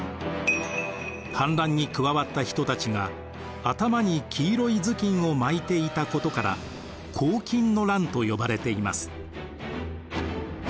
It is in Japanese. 反乱に加わった人たちが頭に黄色い頭巾を巻いていたことから黄巾の乱と呼ばれています。